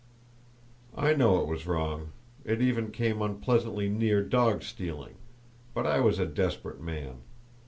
I know it was wrong,—it even came unpleasantly near dog stealing,—but I was a desperate man.